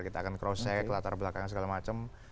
kita akan cross check latar belakang segala macam